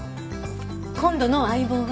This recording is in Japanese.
今度の相棒は。